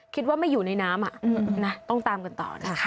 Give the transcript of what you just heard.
คิดว่าไม่อยู่ในน้ำต้องตามกันต่อนะคะ